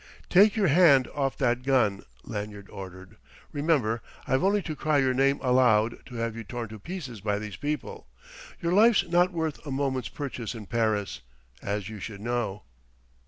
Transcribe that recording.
"Take your hand off that gun," Lanyard ordered. "Remember I've only to cry your name aloud to have you torn to pieces by these people. Your life's not worth a moment's purchase in Paris as you should know."